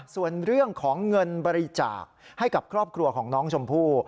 ส่วนเรื่องของเงินบริจาคให้กับครอบครัวของน้องชมพู่